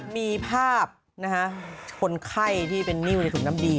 มีภาพคนไข้ที่เป็นนิ้วในถุงน้ำดี